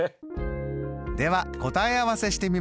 では答え合わせしてみましょう。